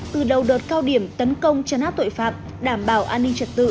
từ đầu đợt cao điểm tấn công chấn áp tội phạm đảm bảo an ninh trật tự